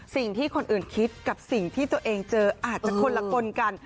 สิ่งที่คนอื่นคิดกับสิ่งที่ตัวเองเจออาจจะคนละคนกัน